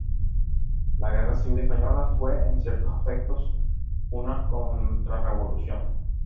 La Guerra Civil española fue, en ciertos aspectos, una contrarrevolución.